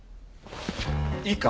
いいか？